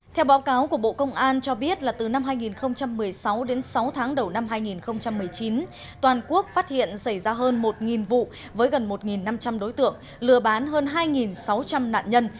theo báo cáo của bộ công an cho biết là từ năm hai nghìn một mươi sáu đến sáu tháng đầu năm hai nghìn một mươi chín toàn quốc phát hiện xảy ra hơn một vụ với gần một năm trăm linh đối tượng lừa bán hơn hai sáu trăm linh nạn nhân